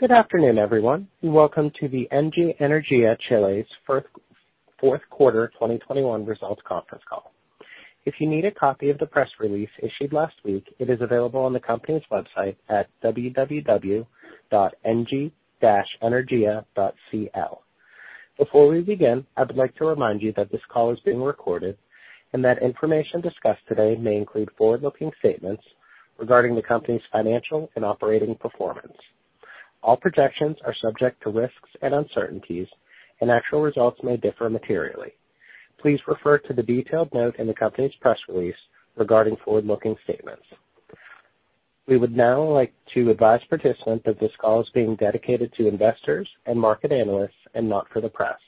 Good afternoon, everyone. Welcome to the Engie Energía Chile's Fourth Quarter 2021 Results Conference Call. If you need a copy of the press release issued last week, it is available on the company's website at www.engie-energia.cl. Before we begin, I would like to remind you that this call is being recorded and that information discussed today may include forward-looking statements regarding the company's financial and operating performance. All projections are subject to risks and uncertainties and actual results may differ materially. Please refer to the detailed note in the company's press release regarding forward-looking statements. We would now like to advise participants that this call is being dedicated to investors and market analysts and not for the press.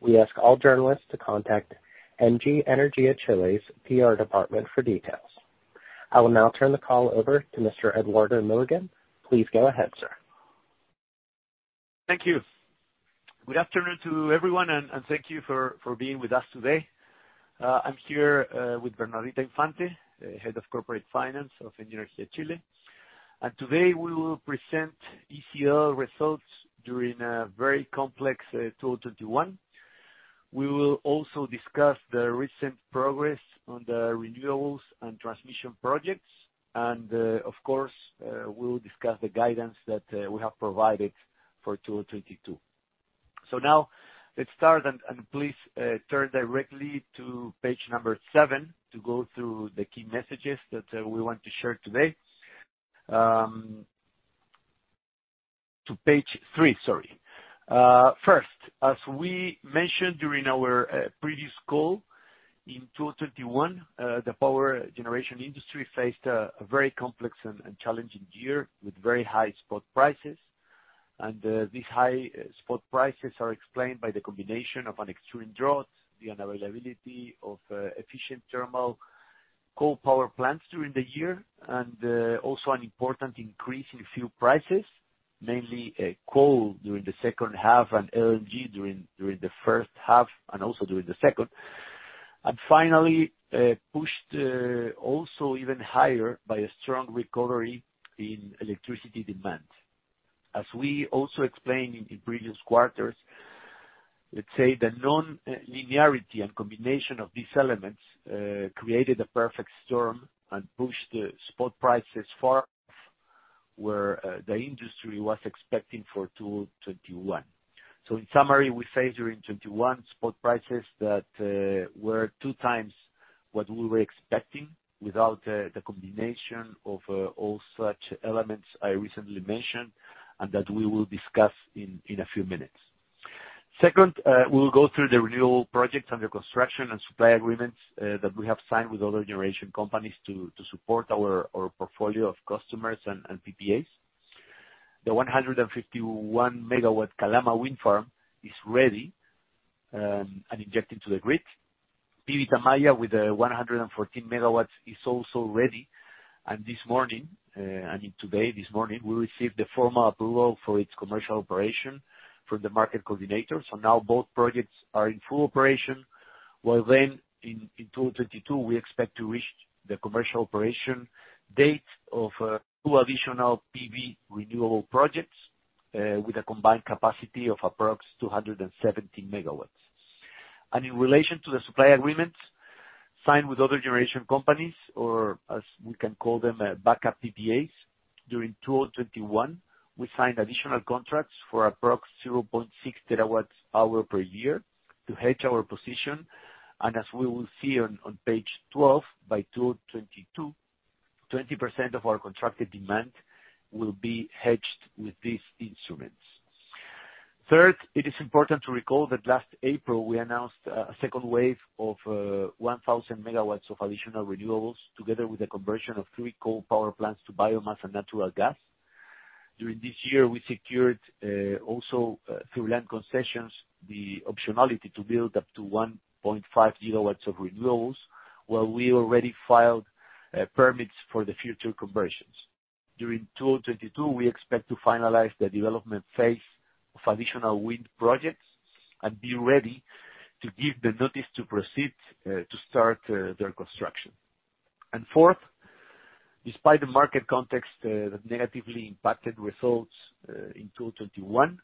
We ask all journalists to contact Engie Energía Chile's PR department for details. I will now turn the call over to Mr. Eduardo Milligan. Please go ahead, sir. Thank you. Good afternoon to everyone, and thank you for being with us today. I'm here with Bernardita Infante, the Head of Corporate Finance of Engie Energía Chile. Today, we will present ECL results during a very complex 2021. We will also discuss the recent progress on the renewables and transmission projects, and, of course, we'll discuss the guidance that we have provided for 2022. Now let's start and please turn directly to page seven to go through the key messages that we want to share today. To page three, sorry. First, as we mentioned during our previous call, in 2021, the power generation industry faced a very complex and challenging year with very high spot prices. These high spot prices are explained by the combination of an extreme drought, the unavailability of efficient thermal coal power plants during the year, and also an important increase in fuel prices, mainly coal during the second half and LNG during the first half, and also during the second. Finally, pushed also even higher by a strong recovery in electricity demand. As we also explained in the previous quarters, let's say the non-linearity and combination of these elements created a perfect storm and pushed the spot prices far off where the industry was expecting for 2021. In summary, we faced, during 2021, spot prices that were 2x what we were expecting without the combination of all such elements I recently mentioned and that we will discuss in a few minutes. Second, we'll go through the renewal projects under construction and supply agreements that we have signed with other generation companies to support our portfolio of customers and PPAs. The 151 MW Calama wind farm is ready and injecting to the grid. PV Tamaya with 114 MW is also ready. This morning, I mean today, this morning, we received the formal approval for its commercial operation from the market coordinator. Now both projects are in full operation, while then in 2022, we expect to reach the commercial operation date of two additional PV renewable projects with a combined capacity of approximately 270 MW. In relation to the supply agreements signed with other generation companies, or as we can call them, backup PPAs, during 2021, we signed additional contracts for approx 0.6 TWh per year to hedge our position. As we will see on page 12, by 2022, 20% of our contracted demand will be hedged with these instruments. Third, it is important to recall that last April we announced a second wave of 1,000 MW of additional renewables, together with the conversion of three coal power plants to biomass and natural gas. During this year, we secured also through land concessions, the optionality to build up to 1.5 GW of renewables, while we already filed permits for the future conversions. During 2022, we expect to finalize the development phase of additional wind projects and be ready to give the notice to proceed to start their construction. Fourth, despite the market context that negatively impacted results in 2021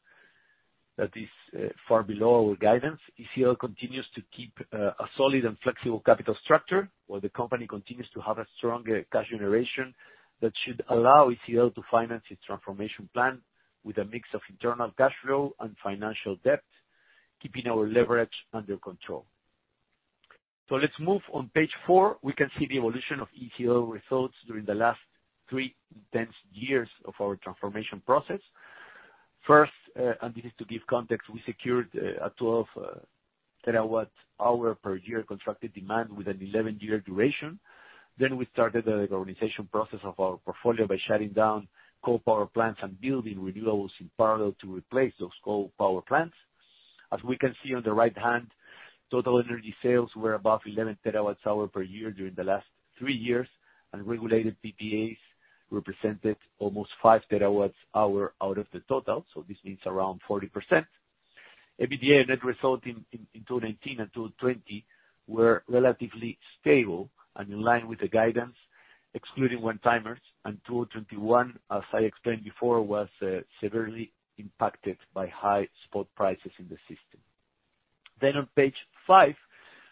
that is far below our guidance, ECL continues to keep a solid and flexible capital structure, while the company continues to have a strong cash generation that should allow ECL to finance its transformation plan with a mix of internal cash flow and financial debt, keeping our leverage under control. Let's move to page four, we can see the evolution of ECL results during the last three intense years of our transformation process. First, this is to give context, we secured a 12 TWh per year contracted demand with an 11-year duration. We started the reorganization process of our portfolio by shutting down coal power plants and building renewables in parallel to replace those coal power plants. As we can see on the right hand, total energy sales were above 11 TWh per year during the last three years, and regulated PPAs represented almost 5 TWh out of the total, so this means around 40%. EBITDA net result in 2019 and 2020 were relatively stable and in line with the guidance, excluding one-timers, and 2021, as I explained before, was severely impacted by high spot prices in the system. On page five,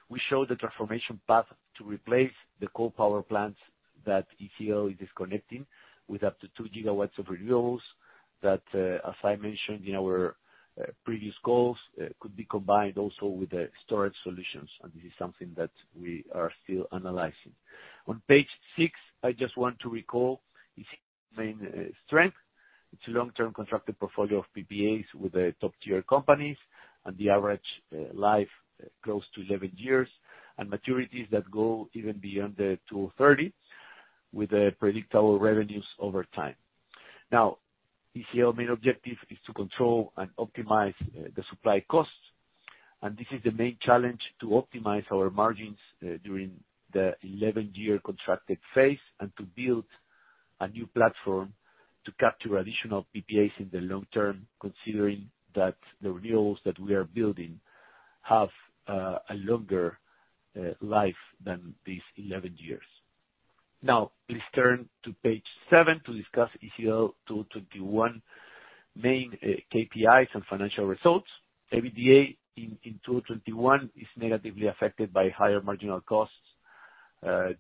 we show the transformation path to replace the coal power plants that ECL is disconnecting with up to 2 GW of renewables that, as I mentioned in our previous calls, could be combined also with the storage solutions, and this is something that we are still analyzing. On page six, I just want to recall ECL's main strength. It's a long-term contracted portfolio of PPAs with the top-tier companies and the average life close to 11 years, and maturities that go even beyond 2030, with predictable revenues over time. Now, ECL's main objective is to control and optimize the supply costs. This is the main challenge, to optimize our margins during the 11-year contracted phase and to build a new platform to capture additional PPAs in the long term, considering that the renewables that we are building have a longer life than these 11 years. Now, please turn to page seven to discuss ECL 2021 main KPIs and financial results. EBITDA in 2021 is negatively affected by higher marginal costs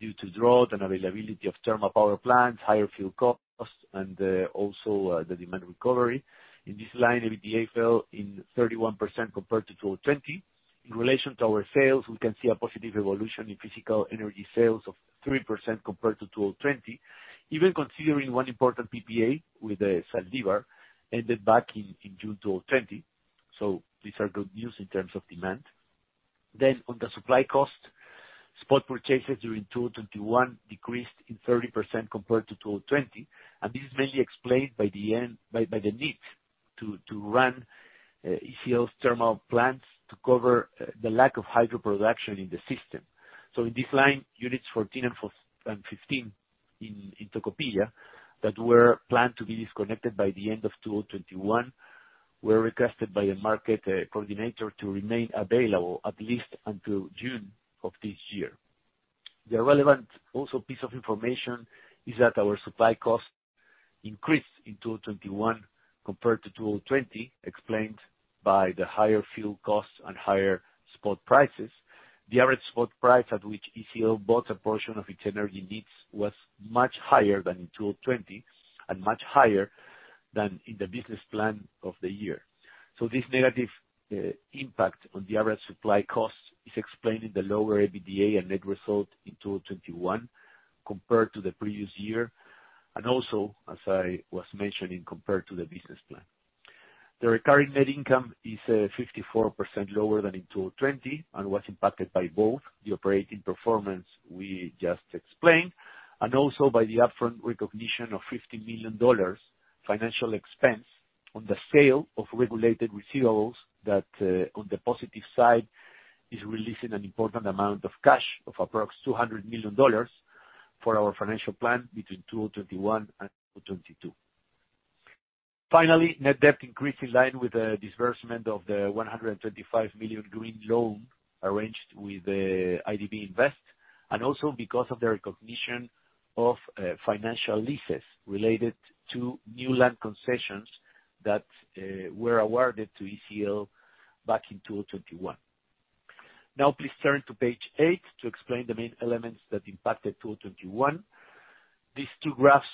due to drought and availability of thermal power plants, higher fuel costs and also the demand recovery. In this line, EBITDA fell 31% compared to 2020. In relation to our sales, we can see a positive evolution in physical energy sales of 3% compared to 2020. Even considering one important PPA with Zaldivar ended back in June 2020. These are good news in terms of demand. On the supply cost, spot purchases during 2021 decreased 30% compared to 2020, and this is mainly explained by the need to run ECL's thermal plants to cover the lack of hydro production in the system. In this line, units 14 and 15 in Tocopilla, that were planned to be disconnected by the end of 2021, were requested by the market coordinator to remain available at least until June of this year. The also relevant piece of information is that our supply costs increased in 2021 compared to 2020, explained by the higher fuel costs and higher spot prices. The average spot price at which ECL bought a portion of its energy needs was much higher than in 2020 and much higher than in the business plan of the year. This negative impact on the average supply costs is explained in the lower EBITDA and net result in 2021 compared to the previous year. As I was mentioning, compared to the business plan. The recurring net income is 54% lower than in 2020 and was impacted by both the operating performance we just explained, and also by the upfront recognition of $50 million financial expense on the sale of regulated receivables that on the positive side is releasing an important amount of cash of approximately $200 million for our financial plan between 2021 and 2022. Finally, net debt increased in line with the disbursement of the $125 million green loan arranged with IDB Invest, and also because of the recognition of financial leases related to new land concessions that were awarded to ECL back in 2021. Now, please turn to page eight to explain the main elements that impacted 2021. These two graphs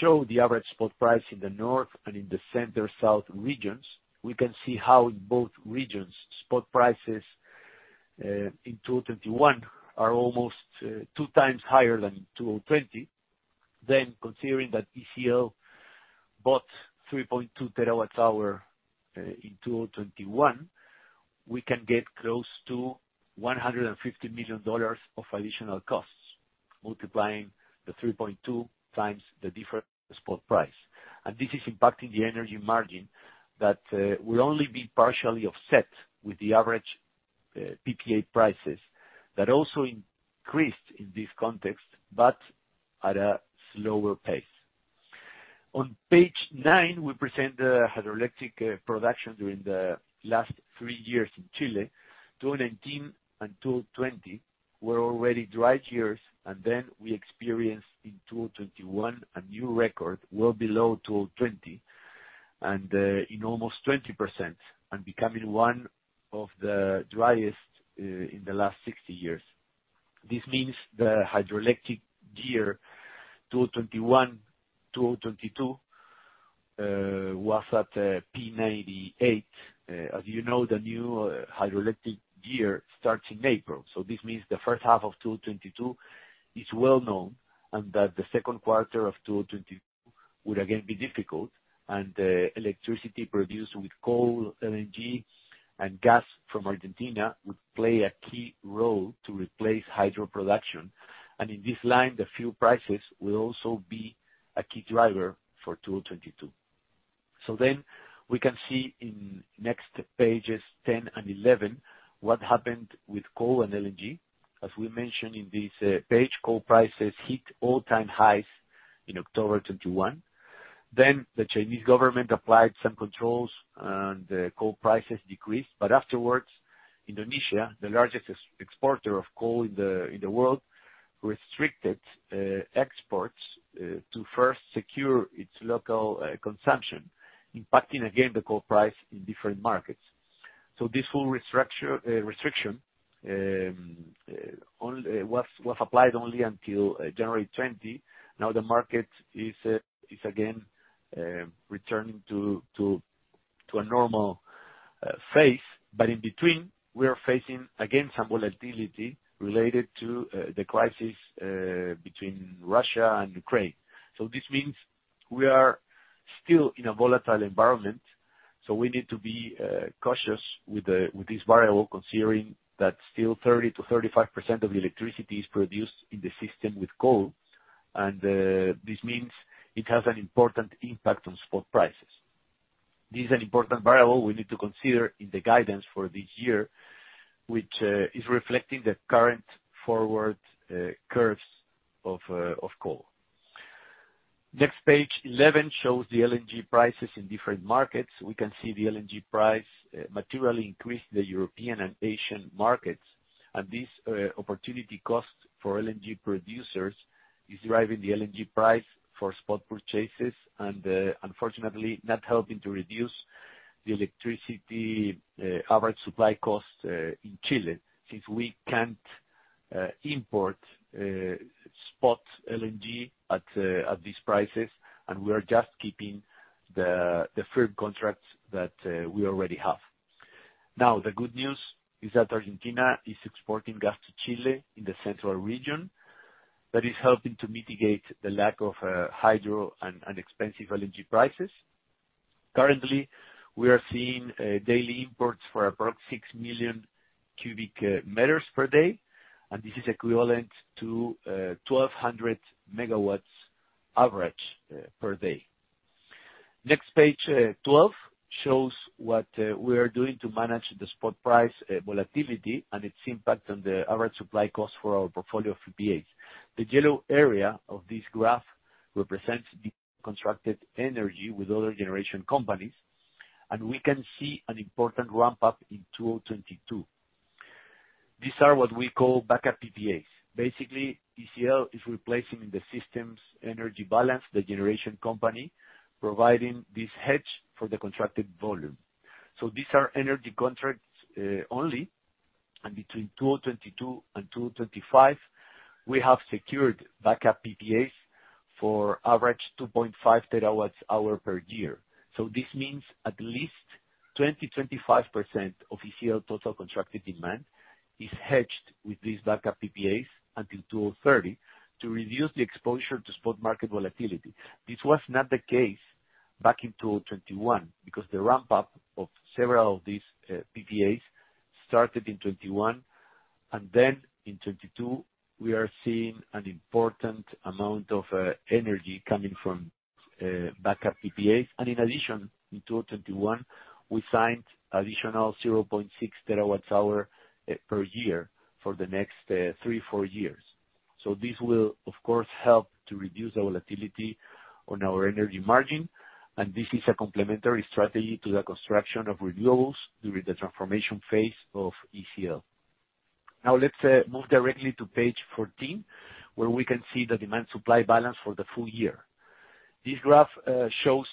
show the average spot price in the north and in the center south regions. We can see how in both regions, spot prices in 2021 are almost 2x higher than in 2020. Considering that ECL bought 3.2 TWh in 2021, we can get close to $150 million of additional costs, multiplying the 3.2x the different spot price. This is impacting the energy margin that will only be partially offset with the average PPA prices that also increased in this context, but at a slower pace. On page nine, we present the hydroelectric production during the last three years in Chile. 2019 and 2020 were already dry years, and then we experienced in 2021 a new record, well below 2020, and in almost 20%, and becoming one of the driest in the last 60 years. This means the hydroelectric year 2021-2022 was at P98. As you know, the new hydroelectric year starts in April, so this means the first half of 2022 is well known and that the second quarter of 2022 would again be difficult, and the electricity produced with coal, LNG, and gas from Argentina would play a key role to replace hydro production. In this line, the fuel prices will also be a key driver for 2022. We can see in next pages, 10 and 11, what happened with coal and LNG. As we mentioned in this page, coal prices hit all-time highs in October 2021, then the Chinese government applied some controls and the coal prices decreased. Afterwards, Indonesia, the largest exporter of coal in the world, restricted exports to first secure its local consumption, impacting again the coal price in different markets. This whole restriction was applied only until January 2020. The market is again returning to a normal phase. In between, we are facing again some volatility related to the crisis between Russia and Ukraine. This means we are still in a volatile environment, so we need to be cautious with this variable, considering that still 30%-35% of the electricity is produced in the system with coal. This means it has an important impact on spot prices. This is an important variable we need to consider in the guidance for this year, which is reflecting the current forward curves of coal. Next, page 11 shows the LNG prices in different markets. We can see the LNG price materially increase in the European and Asian markets. This opportunity cost for LNG producers is driving the LNG price for spot purchases, and unfortunately, not helping to reduce average electricity supply costs in Chile, since we can't import spot LNG at these prices, and we are just keeping the firm contracts that we already have. Now, the good news is that Argentina is exporting gas to Chile in the central region. That is helping to mitigate the lack of hydro and expensive LNG prices. Currently, we are seeing daily imports for approximately 6 million CBM per day, and this is equivalent to 1,200 MW average per day. Next, page 12 shows what we are doing to manage the spot price volatility and its impact on the average supply cost for our portfolio of PPAs. The yellow area of this graph represents the contracted energy with other generation companies, and we can see an important ramp up in 2022. These are what we call backup PPAs. Basically, ECL is replacing the system's energy balance, the generation company, providing this hedge for the contracted volume. These are energy contracts only, and between 2022 and 2025, we have secured backup PPAs for average 2.5 TWh per year. This means at least 20%-25% of ECL total contracted demand is hedged with these backup PPAs until 2030 to reduce the exposure to spot market volatility. This was not the case back in 2021, because the ramp up of several of these PPAs started in 2021, and then in 2022, we are seeing an important amount of energy coming from backup PPAs. In addition, in 2021, we signed additional 0.6 TWh per year for the next three, four years. This will, of course, help to reduce the volatility on our energy margin, and this is a complementary strategy to the construction of renewables during the transformation phase of ECL. Now, let's move directly to page 14, where we can see the demand supply balance for the full year. This graph shows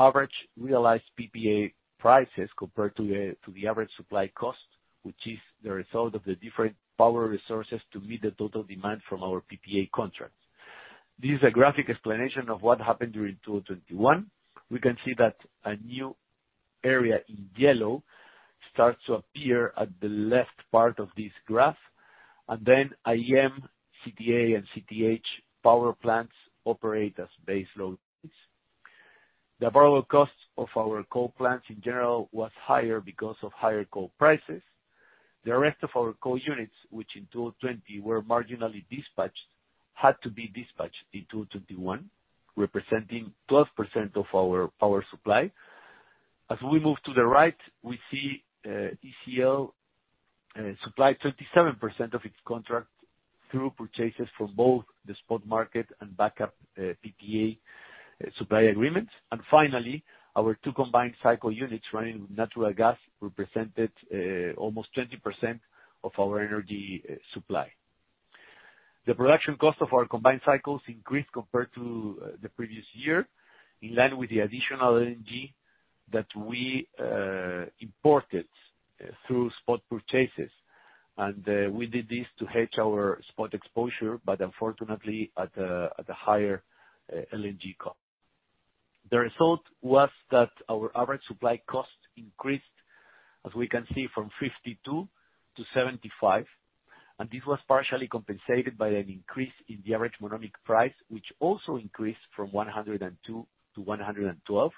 average realized PPA prices compared to the average supply cost, which is the result of the different power resources to meet the total demand from our PPA contracts. This is a graphic explanation of what happened during 2021. We can see that a new area in yellow starts to appear at the left part of this graph. Then IEM, CTA and CTH power plants operate as base load units. The variable costs of our coal plants in general was higher because of higher coal prices. The rest of our coal units, which in 2020 were marginally dispatched, had to be dispatched in 2021, representing 12% of our power supply. As we move to the right, we see ECL supplies 37% of its contract through purchases from both the spot market and backup PPA supply agreements. Finally, our two combined cycle units running with natural gas represented almost 20% of our energy supply. The production cost of our combined cycles increased compared to the previous year, in line with the additional LNG that we imported through spot purchases. We did this to hedge our spot exposure, but unfortunately at a higher LNG cost. The result was that our average supply cost increased, as we can see, from $52-$75, and this was partially compensated by an increase in the average monomic price, which also increased from $102-$112.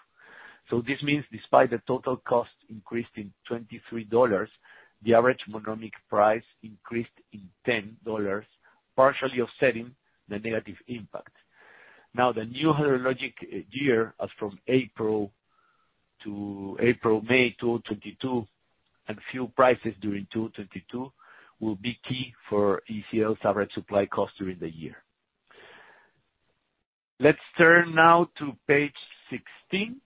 This means despite the total cost increase in $23, the average monomic price increased in $10, partially offsetting the negative impact. The new hydrologic year as from April 2022, and fuel prices during 2022 will be key for ECL's average supply cost during the year. Let's turn now to page 16.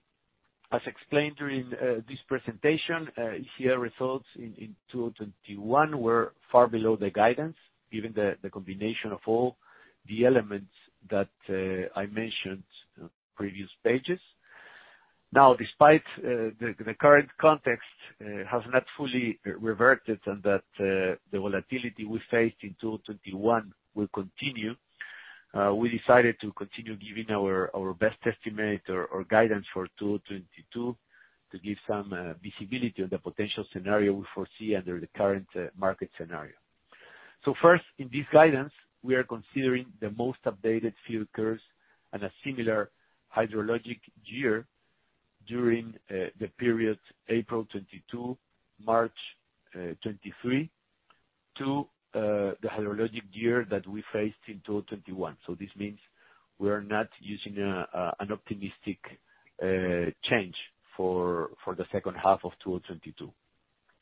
As explained during this presentation, ECL results in 2021 were far below the guidance, given the combination of all the elements that I mentioned in previous pages. Despite the current context has not fully reverted and that the volatility we faced in 2021 will continue, we decided to continue giving our best estimate or guidance for 2022 to give some visibility on the potential scenario we foresee under the current market scenario. First, in this guidance, we are considering the most updated fuel curves and a similar hydrologic year during the period April 2022 to March 2023 to the hydrologic year that we faced in 2021. This means we are not using an optimistic change for the second half of 2022.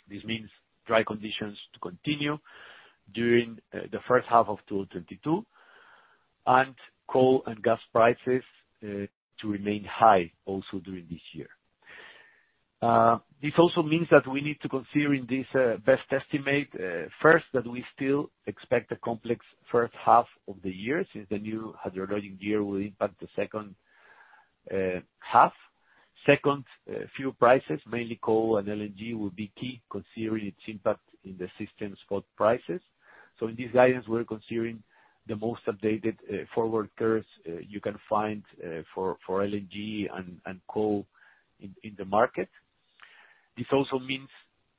This means dry conditions to continue during the first half of 2022, and coal and gas prices to remain high also during this year. This also means that we need to consider in this best estimate first, that we still expect a complex first half of the year, since the new hydrologic year will impact the second half. Second, fuel prices, mainly coal and LNG, will be key considering its impact in the system's spot prices. In this guidance, we're considering the most updated forward curves you can find for LNG and coal in the market. This also means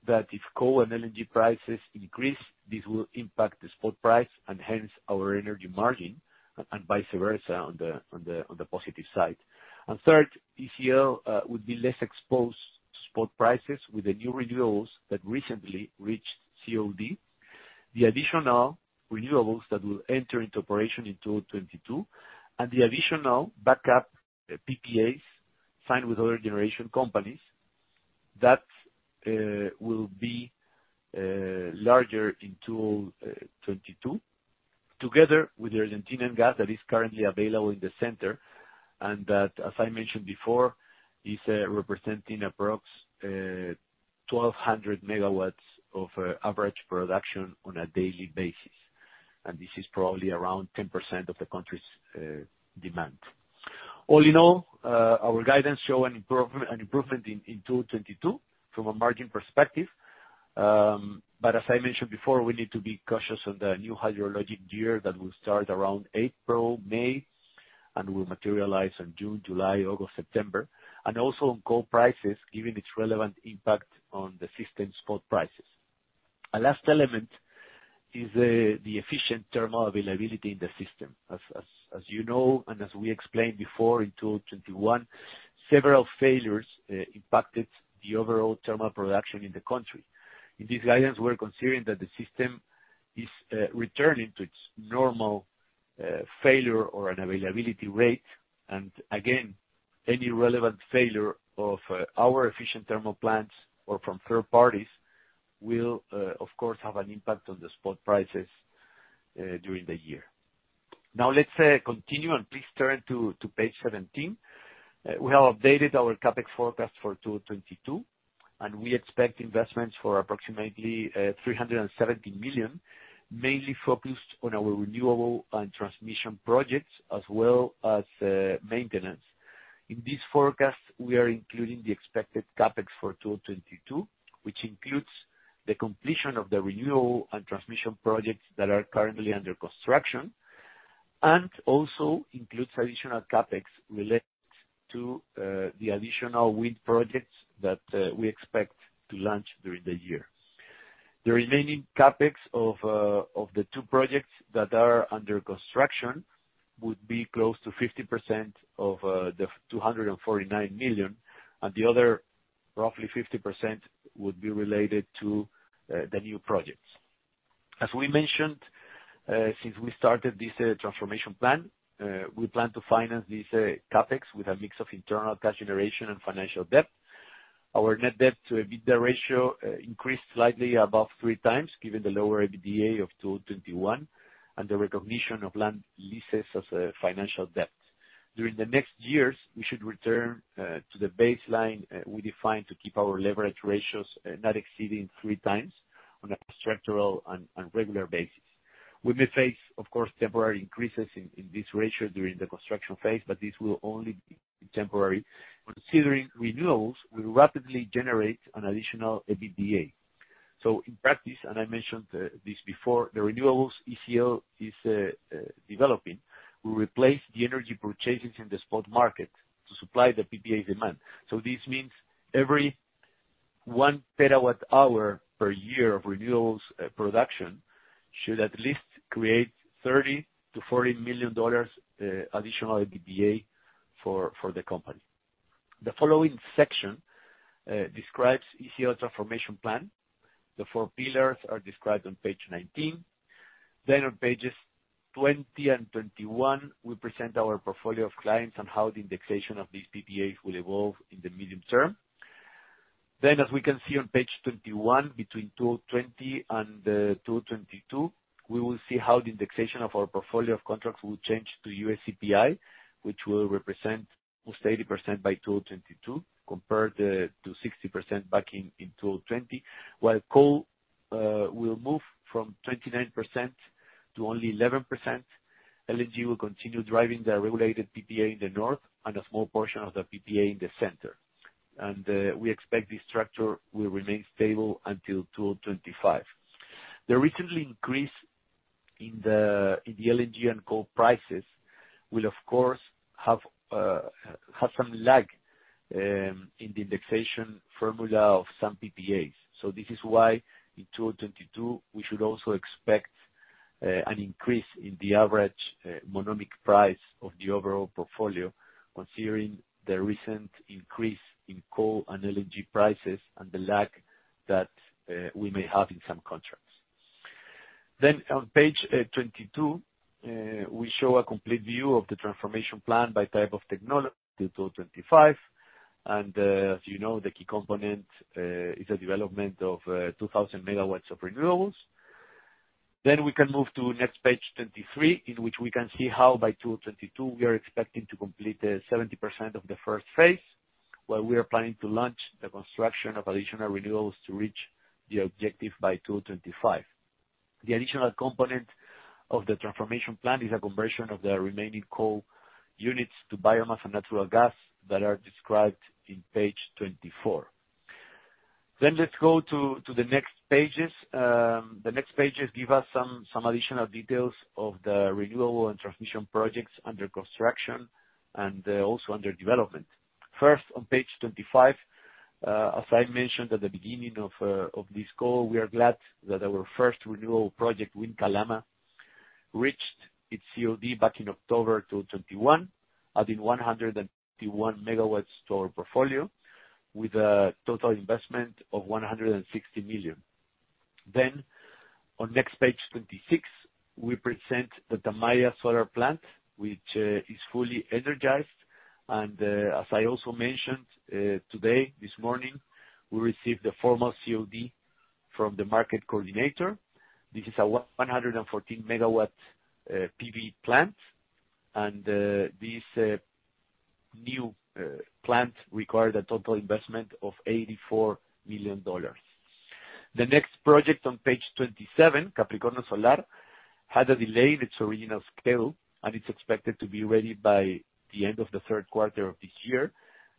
that if coal and LNG prices increase, this will impact the spot price, and hence our energy margin, and vice versa on the positive side. Third, ECL would be less exposed to spot prices with the new renewables that recently reached COD. The additional renewables that will enter into operation in 2022 and the additional backup PPAs signed with other generation companies that will be larger in 2022. Together with the Argentinian gas that is currently available in the center, and that, as I mentioned before, is representing approximately 1,200 MW of average production on a daily basis. This is probably around 10% of the country's demand. All in all, our guidance show an improvement in 2022 from a margin perspective. But as I mentioned before, we need to be cautious on the new hydrologic year that will start around April, May, and will materialize in June, July, August, September. Also on coal prices, given its relevant impact on the system's spot prices. Our last element is the efficient thermal availability in the system. As you know, and as we explained before in 2021, several failures impacted the overall thermal production in the country. In this guidance, we're considering that the system is returning to its normal failure or unavailability rate. Any relevant failure of our efficient thermal plants or from third parties will, of course, have an impact on the spot prices during the year. Now, let's continue, and please turn to page 17. We have updated our CapEx forecast for 2022, and we expect investments for approximately $370 million, mainly focused on our renewable and transmission projects, as well as maintenance. In this forecast, we are including the expected CapEx for 2022, which includes the completion of the renewable and transmission projects that are currently under construction, and also includes additional CapEx related to the additional wind projects that we expect to launch during the year. The remaining CapEx of the two projects that are under construction would be close to 50% of the $249 million, and the other, roughly 50%, would be related to the new projects. As we mentioned, since we started this transformation plan, we plan to finance this CapEx with a mix of internal cash generation and financial debt. Our net debt to EBITDA ratio increased slightly above 3x, given the lower EBITDA of $221 million and the recognition of land leases as a financial debt. During the next years, we should return to the baseline we defined to keep our leverage ratios not exceeding 3x on a structural and regular basis. We may face, of course, temporary increases in this ratio during the construction phase, but this will only be temporary. Considering renewables, we'll rapidly generate an additional EBITDA. In practice, and I mentioned this before, the renewables ECL is developing will replace the energy purchases in the spot market to supply the PPA demand. This means every 1 TWh per year of renewables production should at least create $30 million-$40 million additional EBITDA for the company. The following section describes ECL's transformation plan. The four pillars are described on page 19. On pages 20 and 21, we present our portfolio of clients and how the indexation of these PPAs will evolve in the medium term. As we can see on page 21, between 2020 and 2022, we will see how the indexation of our portfolio of contracts will change to US CPI, which will represent almost 80% by 2022, compared to 60% back in 2020, while coal will move from 29% to only 11%. LNG will continue driving the regulated PPA in the north and a small portion of the PPA in the center. We expect this structure will remain stable until 2025. The recent increase in the LNG and coal prices will of course have some lag in the indexation formula of some PPAs. This is why, in 2022, we should also expect an increase in the average monomic price of the overall portfolio, considering the recent increase in coal and LNG prices and the lag that we may have in some contracts. On page 22, we show a complete view of the transformation plan by type of technology to 2025. As you know, the key component is the development of 2,000 MW of renewables. We can move to next page 23, in which we can see how by 2022 we are expecting to complete 70% of the first phase, while we are planning to launch the construction of additional renewables to reach the objective by 2025. The additional component of the transformation plan is a conversion of the remaining coal units to biomass and natural gas that are described in page 24. Let's go to the next pages. The next pages give us some additional details of the renewable and transmission projects under construction and also under development. First, on page 25, as I mentioned at the beginning of this call, we are glad that our first renewable project, Wind Calama, reached its COD back in October 2021, adding 151 MW to our portfolio with a total investment of $160 million. On next page 26, we present the Tamaya solar plant, which is fully energized. As I also mentioned today, this morning, we received the formal COD from the market coordinator. This is a 114 MW PV plant. This new plant required a total investment of $84 million. The next project on page 27, Capricornio Solar, had a delay in its original schedule, and it's expected to be ready by the end of the third quarter of this year.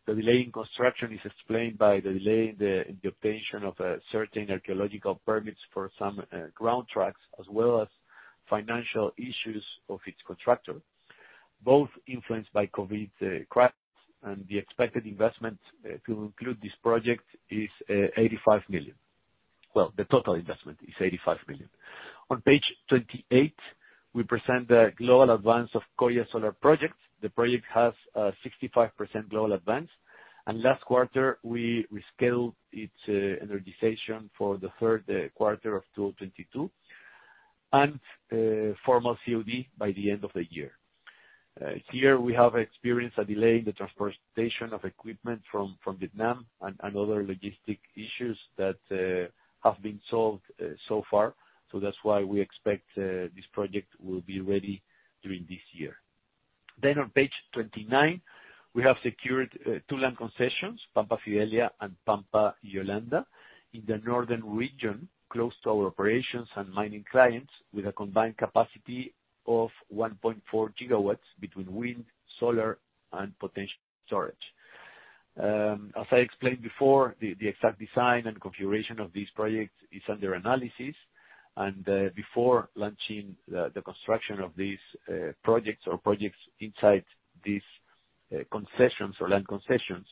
The delay in construction is explained by the delay in the obtaining of certain archaeological permits for some ground tracts, as well as financial issues of its contractor, both influenced by COVID crisis, and the expected investment to include this project is $85 million. Well, the total investment is $85 million. On page 28, we present the global advance of Coya Solar project. The project has a 65% global advance, and last quarter, we rescheduled its energization for the third quarter of 2022, and formal COD by the end of the year. Here we have experienced a delay in the transportation of equipment from Vietnam and other logistical issues that have been solved so far. That's why we expect this project will be ready during this year. On page 29, we have secured two land concessions, Pampa Fidelia and Pampa Yolanda, in the northern region, close to our operations and mining clients, with a combined capacity of 1.4 GW between wind, solar, and potential storage. As I explained before, the exact design and configuration of these projects is under analysis, and before launching the construction of these projects inside these concessions or land concessions,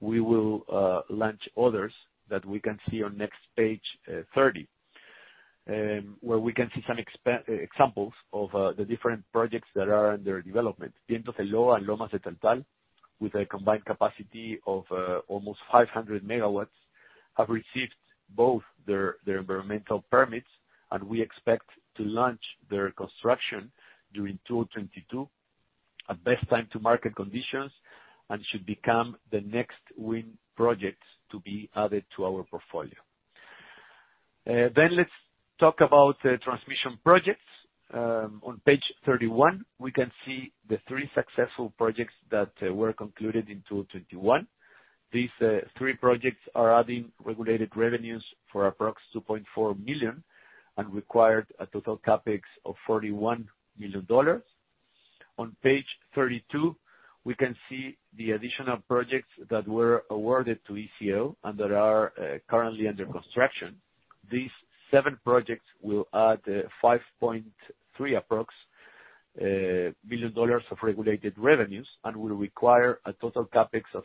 we will launch others that we can see on next page, 30, where we can see some examples of the different projects that are under development. Vientos del Loa and Lomas de Taltal, with a combined capacity of almost 500 MW, have received both their environmental permits, and we expect to launch their construction during 2022, at best time to market conditions, and should become the next wind projects to be added to our portfolio. Let's talk about the transmission projects. On page 31, we can see the three successful projects that were concluded in 2021. These three projects are adding regulated revenues of approx $2.4 million and required a total CapEx of $41 million. On page 32, we can see the additional projects that were awarded to ECL and that are currently under construction. These seven projects will add approx $5.3 million of regulated revenues and will require a total CapEx of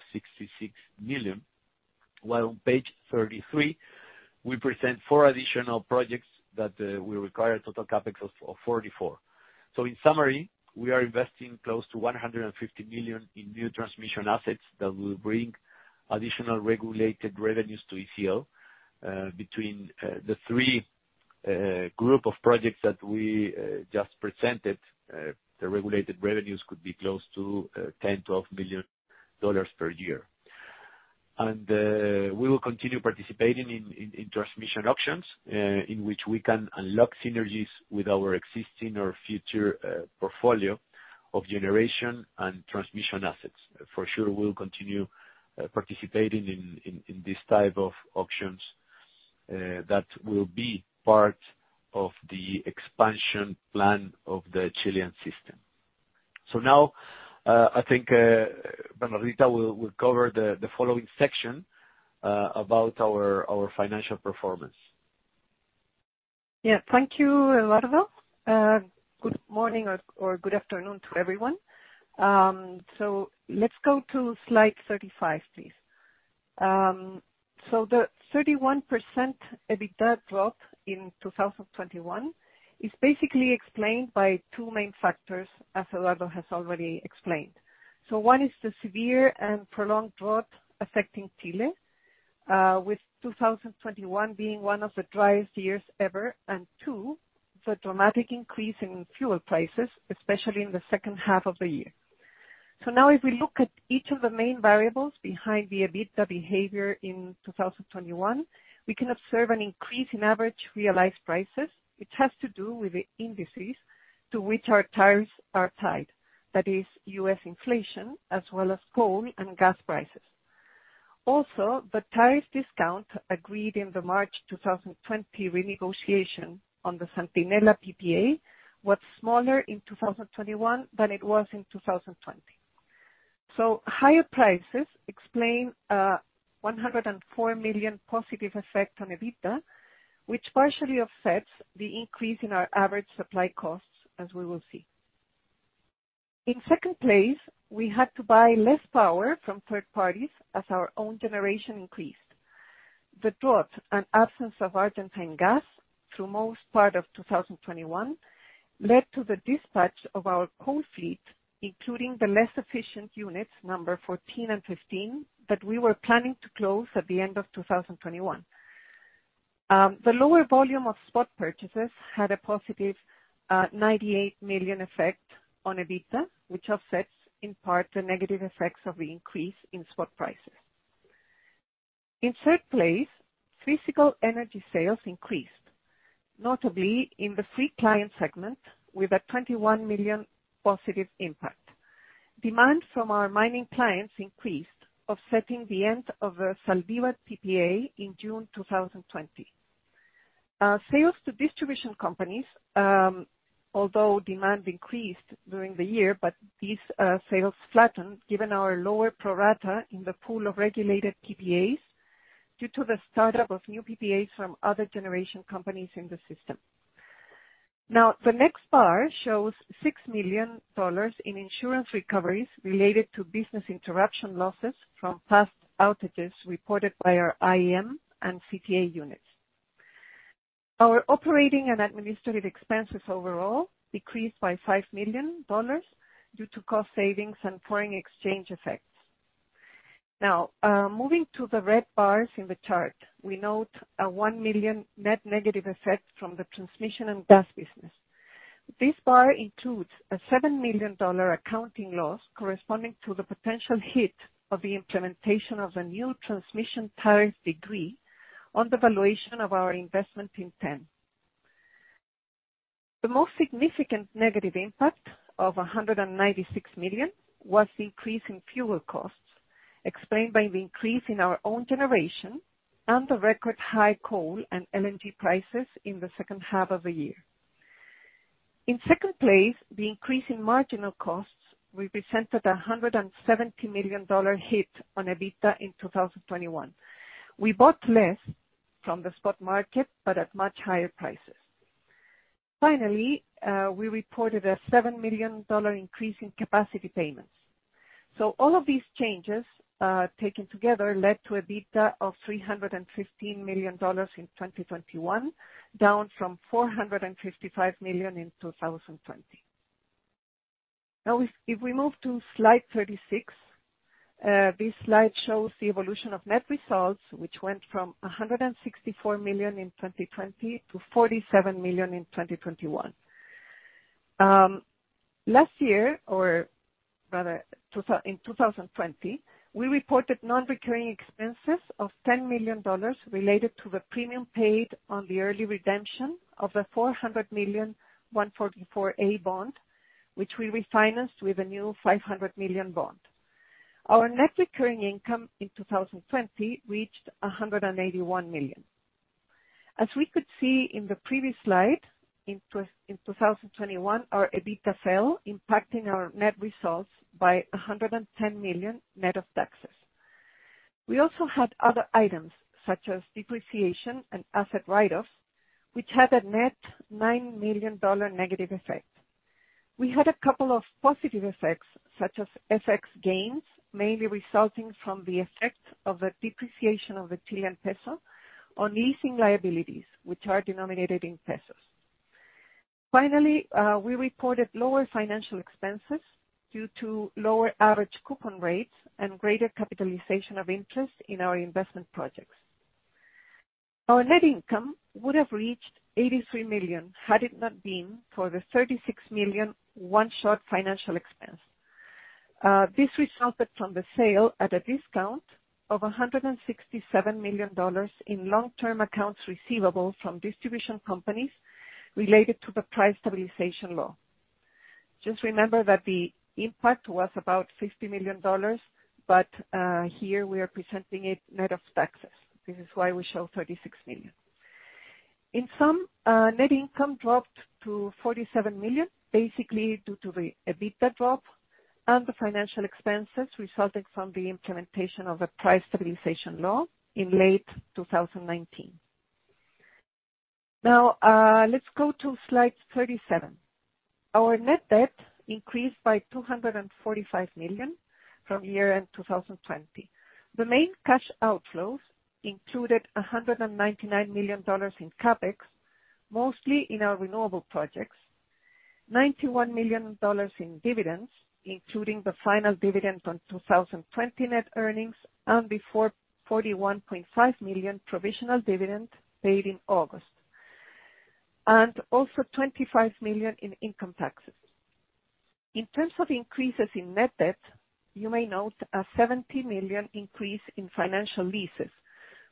$66 million. While on page 33, we present four additional projects that will require a total CapEx of $44 million. In summary, we are investing close to $150 million in new transmission assets that will bring additional regulated revenues to ECL. Between the three group of projects that we just presented, the regulated revenues could be close to $10-12 million per year. We will continue participating in transmission auctions in which we can unlock synergies with our existing or future portfolio of generation and transmission assets. For sure, we'll continue participating in this type of auctions that will be part of the expansion plan of the Chilean system. Now, I think, Bernardita Infante will cover the following section about our financial performance. Yeah, thank you, Eduardo. Good morning or good afternoon to everyone. Let's go to slide 35, please. The 31% EBITDA drop in 2021 is basically explained by two main factors, as Eduardo has already explained. One is the severe and prolonged drought affecting Chile, with 2021 being one of the driest years ever, and two, the dramatic increase in fuel prices, especially in the second half of the year. Now if we look at each of the main variables behind the EBITDA behavior in 2021, we can observe an increase in average realized prices, which has to do with the indices to which our tariffs are tied. That is U.S. inflation, as well as coal and gas prices. The tariff discount agreed in the March 2020 renegotiation on the Centinela PPA was smaller in 2021 than it was in 2020. Higher prices explain a $104 million positive effect on EBITDA, which partially offsets the increase in our average supply costs, as we will see. In second place, we had to buy less power from third parties as our own generation increased. The drought and absence of Argentine gas through most part of 2021 led to the dispatch of our coal fleet, including the less efficient units, number 14 and 15, that we were planning to close at the end of 2021. The lower volume of spot purchases had a positive $98 million effect on EBITDA, which offsets in part the negative effects of the increase in spot prices. In third place, physical energy sales increased, notably in the free client segment, with a $21 million positive impact. Demand from our mining clients increased, offsetting the end of the Zaldivar PPA in June 2020. Our sales to distribution companies, although demand increased during the year, but these sales flattened given our lower pro rata in the pool of regulated PPAs due to the start-up of new PPAs from other generation companies in the system. Now, the next bar shows $6 million in insurance recoveries related to business interruption losses from past outages reported by our IEM and CTA units. Our operating and administrative expenses overall decreased by $5 million due to cost savings and foreign exchange effects. Now, moving to the red bars in the chart, we note a $1 million net negative effect from the transmission and gas business. This bar includes a $7 million accounting loss corresponding to the potential hit of the implementation of the new transmission tariff decree on the valuation of our investment in TEN. The most significant negative impact of $196 million was the increase in fuel costs, explained by the increase in our own generation and the record high coal and LNG prices in the second half of the year. In second place, the increase in marginal costs represented a $170 million hit on EBITDA in 2021. We bought less from the spot market, but at much higher prices. Finally, we reported a $7 million increase in capacity payments. All of these changes, taken together led to EBITDA of $315 million in 2021, down from $455 million in 2020. Now, if we move to slide 36, this slide shows the evolution of net results, which went from $164 million in 2020 to $47 million in 2021. Last year, or rather in 2020, we reported non-recurring expenses of $10 million related to the premium paid on the early redemption of the $400 million 144A bond, which we refinanced with a new $500 million bond. Our net recurring income in 2020 reached $181 million. As we could see in the previous slide, in 2021, our EBITDA fell, impacting our net results by $110 million, net of taxes. We also had other items, such as depreciation and asset write-offs, which had a net $9 million negative effect. We had a couple of positive effects, such as FX gains, mainly resulting from the effect of the depreciation of the Chilean peso on leasing liabilities, which are denominated in pesos. Finally, we reported lower financial expenses due to lower average coupon rates and greater capitalization of interest in our investment projects. Our net income would have reached $83 million, had it not been for the $36 million one-shot financial expense. This resulted from the sale at a discount of $167 million in long-term accounts receivable from distribution companies related to the Price Stabilization Law. Just remember that the impact was about $50 million, but here we are presenting it net of taxes. This is why we show $36 million. In sum, net income dropped to $47 million, basically due to the EBITDA drop and the financial expenses resulting from the implementation of the Price Stabilization Law in late 2019. Now, let's go to slide 37. Our net debt increased by $245 million from year-end 2020. The main cash outflows included $199 million in CapEx, mostly in our renewable projects. $91 million in dividends, including the final dividend on 2020 net earnings and the $41.5 million provisional dividend paid in August, and also $25 million in income taxes. In terms of increases in net debt, you may note a $70 million increase in financial leases,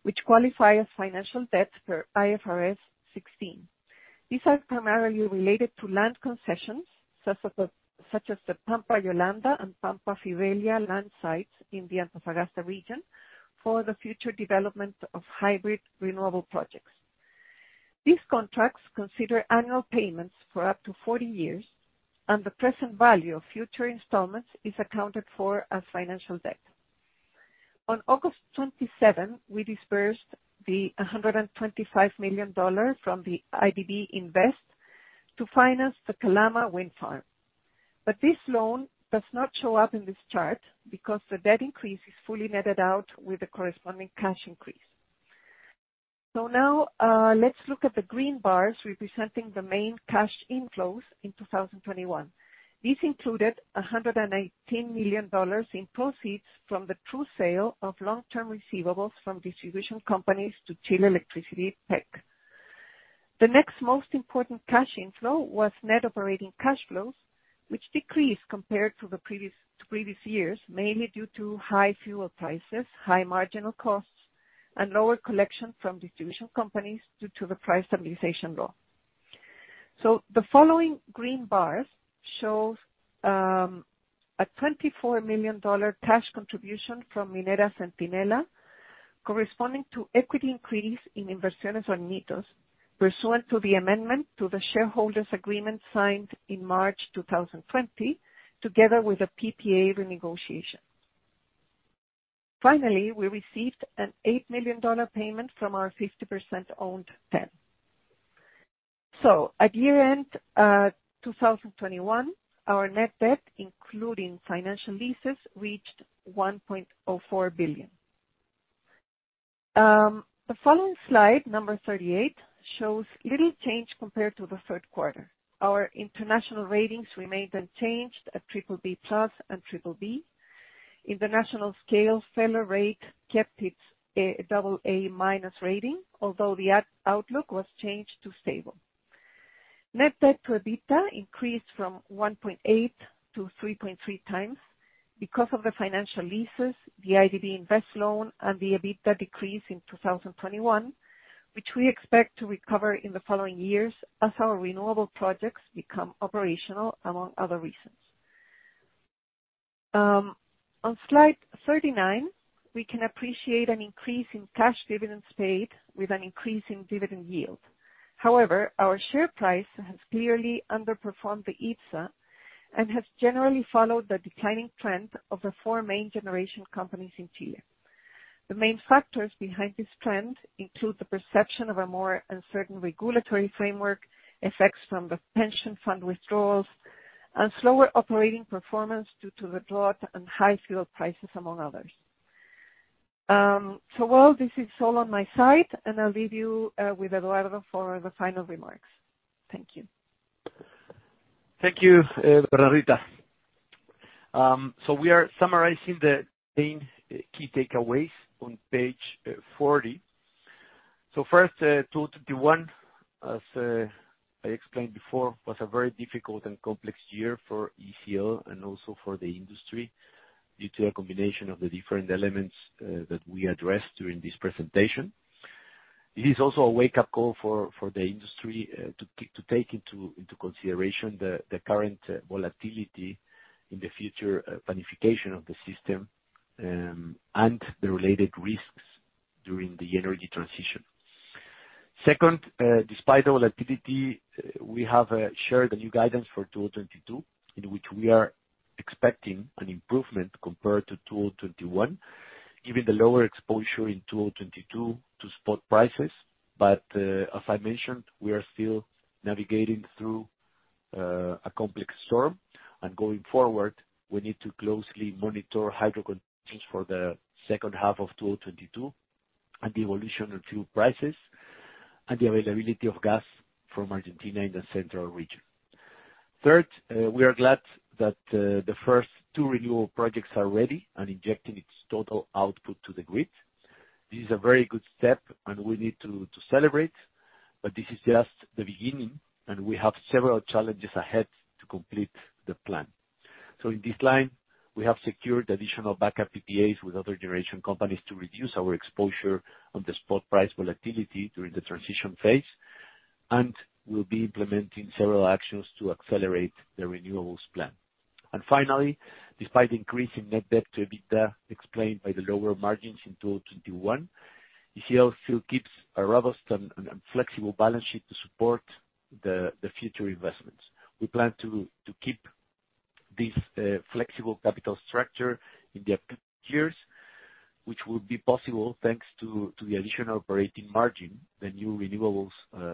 which qualify as financial debt per IFRS 16. These are primarily related to land concessions, such as the Pampa Yolanda and Pampa Fidelia land sites in the Antofagasta region for the future development of hybrid renewable projects. These contracts consider annual payments for up to 40 years, and the present value of future installments is accounted for as financial debt. On August 27, we disbursed the $125 million from the IDB Invest to finance the Calama Wind Farm. This loan does not show up in this chart because the debt increase is fully netted out with the corresponding cash increase. Now, let's look at the green bars representing the main cash inflows in 2021. These included $118 million in proceeds from the true sale of long-term receivables from distribution companies to Chile Electricity PEC. The next most important cash inflow was net operating cash flows, which decreased compared to the previous years, mainly due to high fuel prices, high marginal costs, and lower collection from distribution companies due to the Price Stabilization Law. The following green bars show a $24 million cash contribution from Minera Centinela, corresponding to equity increase in Inversiones Hornitos, pursuant to the amendment to the shareholders agreement signed in March 2020, together with the PPA renegotiation. Finally, we received an $8 million payment from our 50% owned TEN. At year-end 2021, our net debt, including financial leases, reached $1.04 billion. The following slide, number 38, shows little change compared to the third quarter. Our international ratings remained unchanged at BBB+ and BBB. In the national scale, Feller Rate kept its double A minus rating, although the outlook was changed to stable. Net debt to EBITDA increased from 1.8x-3.3x because of the financial leases, the IDB Invest loan, and the EBITDA decrease in 2021, which we expect to recover in the following years as our renewable projects become operational, among other reasons. On slide 39, we can appreciate an increase in cash dividends paid with an increase in dividend yield. However, our share price has clearly underperformed the IPSA and has generally followed the declining trend of the four main generation companies in Chile. The main factors behind this trend include the perception of a more uncertain regulatory framework, effects from the pension fund withdrawals, and slower operating performance due to the drought and high fuel prices, among others. Well, this is all on my side, and I'll leave you with Eduardo for the final remarks. Thank you. Thank you, Bernardita. We are summarizing the main key takeaways on page 40. First, 2021, as I explained before, was a very difficult and complex year for ECL and also for the industry, due to a combination of the different elements that we addressed during this presentation. It is also a wake-up call for the industry to take into consideration the current volatility in the future planification of the system and the related risks during the energy transition. Second, despite the volatility, we have shared the new guidance for 2022, in which we are expecting an improvement compared to 2021, given the lower exposure in 2022 to spot prices. As I mentioned, we are still navigating through a complex storm, and going forward, we need to closely monitor hydro conditions for the second half of 2022, and the evolution of fuel prices, and the availability of gas from Argentina in the central region. Third, we are glad that the first two renewal projects are ready and injecting its total output to the grid. This is a very good step, and we need to celebrate, but this is just the beginning, and we have several challenges ahead to complete the plan. In this line, we have secured additional backup PPAs with other generation companies to reduce our exposure on the spot price volatility during the transition phase, and we'll be implementing several actions to accelerate the renewables plan. Finally, despite increasing net debt to EBITDA explained by the lower margins in 2021, ECL still keeps a robust and flexible balance sheet to support the future investments. We plan to keep this flexible capital structure in the upcoming years, which will be possible thanks to the additional operating margin the new renewables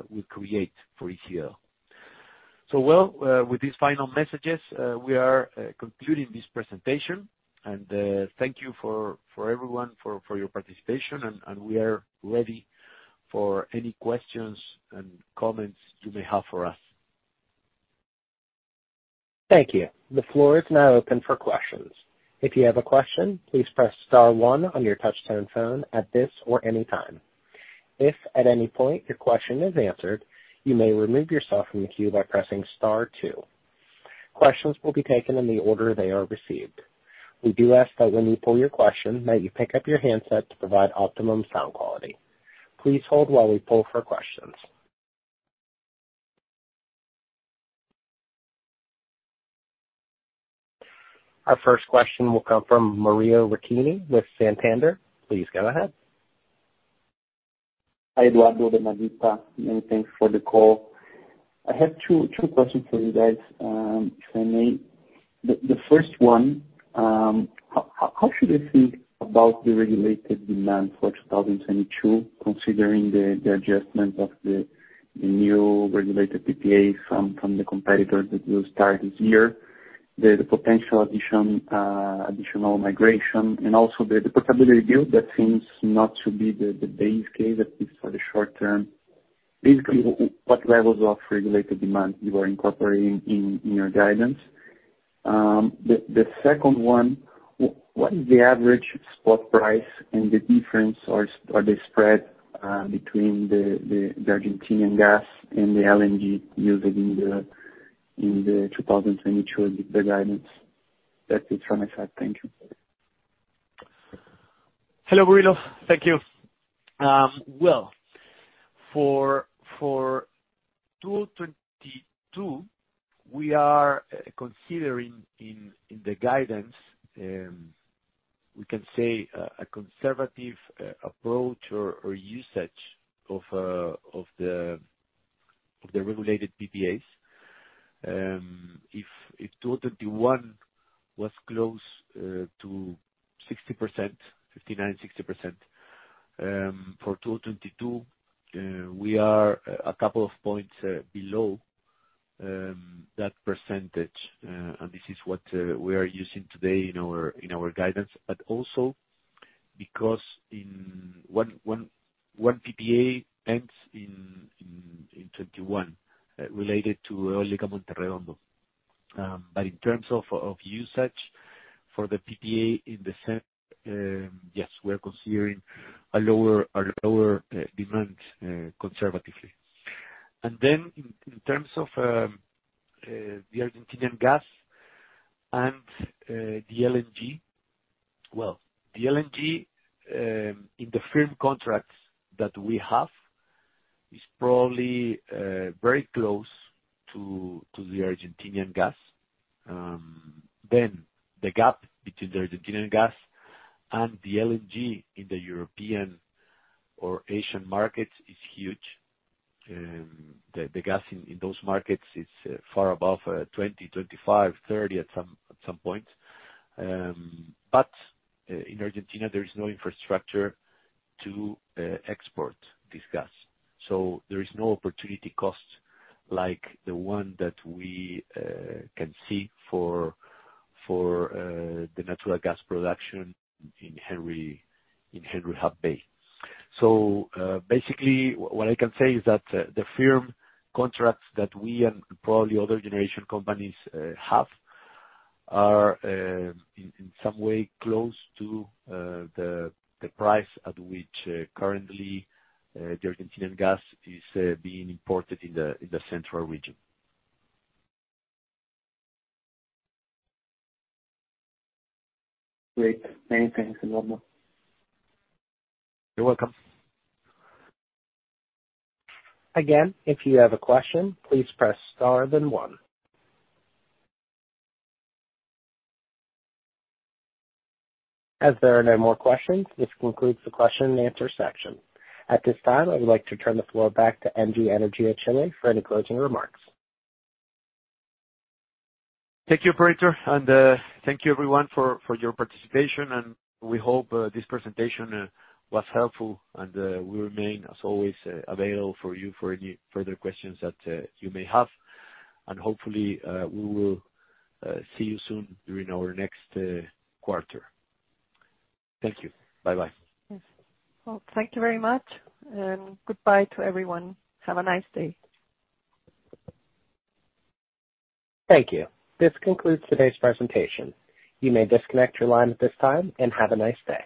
will create for ECL. Well, with these final messages, we are concluding this presentation and thank you for everyone for your participation, and we are ready for any questions and comments you may have for us. Thank you. The floor is now open for questions. If you have a question, please press star one on your touch-tone phone at this or any time. If at any point your question is answered, you may remove yourself from the queue by pressing star two. Questions will be taken in the order they are received. We do ask that when you pose your question, that you pick up your handset to provide optimum sound quality. Please hold while we poll for questions. Our first question will come from Murilo Riccini with Santander. Please go ahead. Hi, Eduardo, Bernardita. Many thanks for the call. I have two questions for you guys, if I may. The first one, how should I think about the regulated demand for 2022, considering the adjustment of the new regulated PPA from the competitor that will start this year, the potential additional migration and also the portability bill that seems not to be the base case, at least for the short term. Basically, what levels of regulated demand you are incorporating in your guidance. The second one, what is the average spot price and the difference or the spread between the Argentinian gas and the LNG used in the 2022 guidance. That's it from my side. Thank you. Hello, Murilo. Thank you. Well, for 2022, we are considering in the guidance, we can say a conservative approach or usage of the regulated PPAs. If 2021 was close to 60%, 59%-60%, for 2022, we are a couple of points below that percentage. This is what we are using today in our guidance, but also because one PPA ends in 2021, related to Eólica Monte Redondo. In terms of usage for the PPA in the sense, yes, we are considering a lower demand conservatively. Then in terms of the Argentinian gas and the LNG. Well, the LNG in the firm contracts that we have is probably very close to the Argentine gas. The gap between the Argentine gas and the LNG in the European or Asian markets is huge. The gas in those markets is far above $20, $25, $30 at some point. In Argentina there is no infrastructure to export this gas, so there is no opportunity cost like the one that we can see for the natural gas production in Henry Hub. Basically what I can say is that the firm contracts that we and probably other generation companies have are in some way close to the price at which currently the Argentinian gas is being imported in the central region. Great. Many thanks, Eduardo. You're welcome. Again, if you have a question, please press star then one. As there are no more questions, this concludes the question and answer section. At this time, I would like to turn the floor back to Engie Energía Chile for any closing remarks. Thank you, operator. Thank you everyone for your participation. We hope this presentation was helpful. We remain, as always, available for you for any further questions that you may have. Hopefully, we will see you soon during our next quarter. Thank you. Bye-bye. Well, thank you very much and goodbye to everyone. Have a nice day. Thank you. This concludes today's presentation. You may disconnect your line at this time and have a nice day.